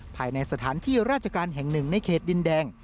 ภายในสถานที่ราชการแห่งหนึ่งในเขตดินแดง